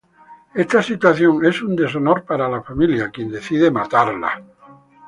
Esta situación es un deshonor para su familia, quien decide matarla.